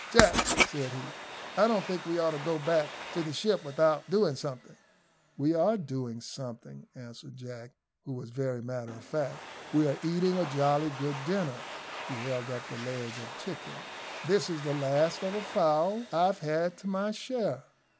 "Jack," said he, "I don't think we ought to go back to the ship without doing something." "We are doing a good deal," answered Jack, who was very matter of fact. "We are eating a jolly good dinner." He held up the leg of a chicken. "This is the last of a fowl I've had to my share."